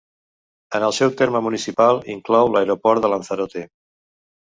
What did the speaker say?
En el seu terme municipal inclou l'aeroport de Lanzarote.